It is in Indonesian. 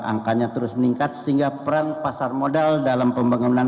angkanya terus meningkat sehingga peran pasar modal dalam pembangunan